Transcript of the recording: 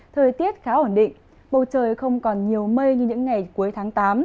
thời tiết khá ổn định bầu trời không còn nhiều mây như những ngày cuối tháng tám